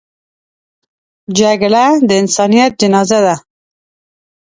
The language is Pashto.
جګړه د انسانیت جنازه ده